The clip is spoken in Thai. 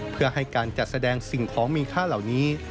เพื่อให้การจัดแสดงสิ่งของมีค่าเหล่านี้